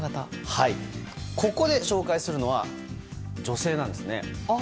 はい、ここで紹介するのは女性なんですね。